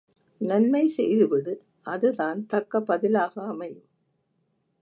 நன்மை செய்து விடு அதுதான் தக்க பதிலாக அமையும்.